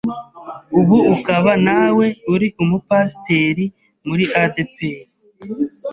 ubu akaba nawe ari umupasteur muri ADEPR.